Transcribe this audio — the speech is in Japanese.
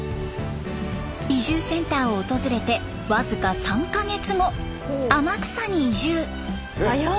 移住センターを訪れて僅か３か月後天草に移住。